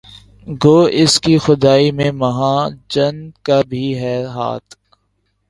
گو اس کی خدائی میں مہاجن کا بھی ہے ہاتھ